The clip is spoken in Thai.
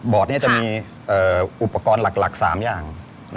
จะมีอุปกรณ์หลัก๓อย่าง